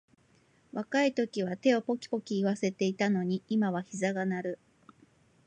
若いときは手をポキポキいわせていたのに、今はひざが鳴る